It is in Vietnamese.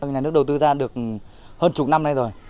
nhà nước đầu tư ra được hơn chục năm nay rồi